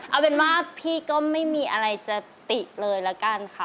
เอาเป็นว่าพี่ก็ไม่มีอะไรจะติเลยละกันค่ะ